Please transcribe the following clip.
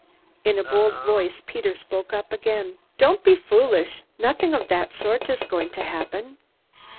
In a bold voice Peter spoke up again: "Don't be foolish. Nothing of that sort is going to happen!"